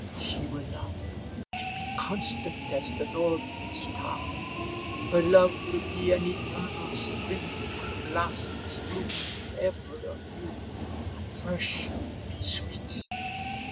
She will love, and be constant, as the northern star. Her love will be an eternal spring where blossoms bloom ever anew, and fresh, and sweet.